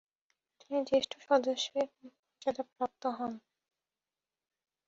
তিনি জ্যেষ্ঠ সদস্যের মর্যাদাপ্রাপ্ত হন।